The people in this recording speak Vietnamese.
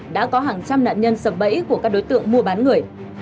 đã có hàng trăm nạn nhân sập bẫy của các đối tượng mua bán người